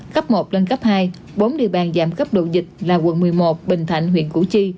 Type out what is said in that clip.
cấp một lên cấp hai bốn địa bàn giảm cấp độ dịch là quận một mươi một bình thạnh huyện củ chi